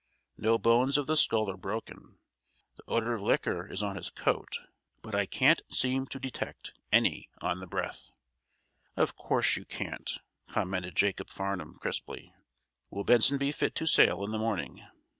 "No bones of the skull are broken. The odor of liquor is on his coat, but I can't seem to detect any on the breath." "Of course you can't," commented Jacob Farnum, crisply. "Will Benson be fit to sail in the morning?"